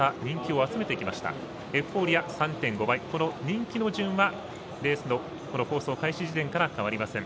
この人気の順はレースの開始時点から変わりません。